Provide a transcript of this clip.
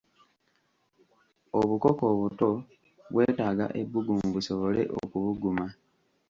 Obukoko obuto bwetaaga ebbugumu busobole okubuguma.